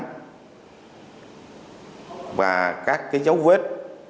a và các tí cháu vết